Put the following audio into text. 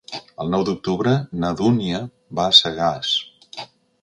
El nou d'octubre na Dúnia va a Sagàs.